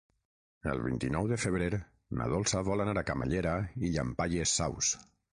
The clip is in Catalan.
El vint-i-nou de febrer na Dolça vol anar a Camallera i Llampaies Saus.